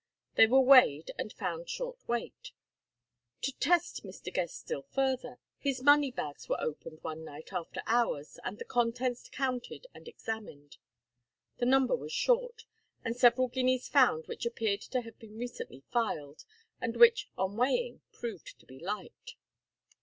They were weighed, and found short weight. To test Mr. Guest still further, his money bags were opened one night after hours, and the contents counted and examined. The number was short, and several guineas found which appeared to have been recently filed, and which on weighing proved to be light.